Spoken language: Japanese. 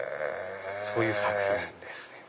そういう作品ですね。